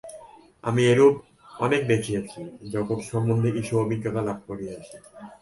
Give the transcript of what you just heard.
আমি এরূপ অনেক দেখিয়াছি, জগৎ-সম্বন্ধে কিছু অভিজ্ঞতা লাভ করিয়াছি।